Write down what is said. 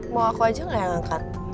mau aku aja gak yang angkat